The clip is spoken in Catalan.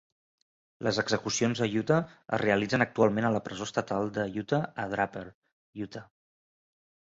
Les execucions a Utah es realitzen actualment a la Presó Estatal de Utah a Draper, Utah.